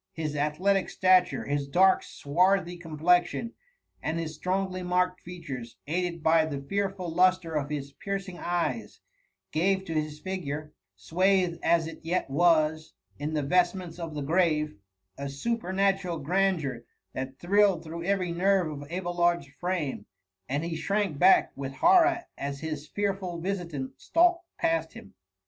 His athletic stature, his dark swarthy complexion, and his strongly marked features, aided by the fearful lustre of his piero^ ing eyes, gave to his figure, swathed as it yet was in the vestments of the grave, a superna tural grandeur that thrilled through every nerve of Abelard's frame, and he shrank back with horror as his fearful visitant stalked past him.